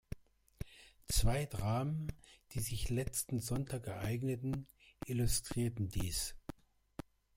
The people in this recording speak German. Zwei Dramen, die sich letzten Sonntag ereigneten, illustrieren dies.